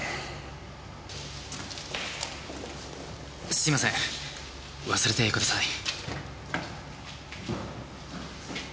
すいません忘れてください。